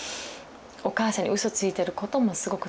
お母さんに嘘ついてることもすごくつらくて。